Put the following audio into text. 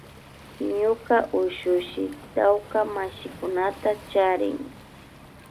Ñuka ushushi tawka mashikunata charin